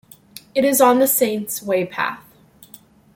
It is on the Saints' Way path.